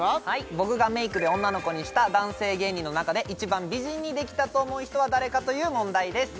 僕がメイクで女の子にした男性芸人の中で一番美人にできたと思う人は誰かという問題です